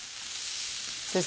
先生